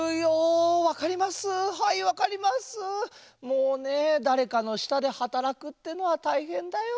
もうねだれかのしたではたらくってのはたいへんだよ。